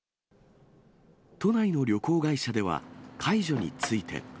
都内の旅行会社では、解除について。